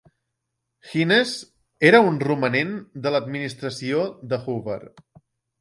Hines era un romanent de l'administració de Hoover.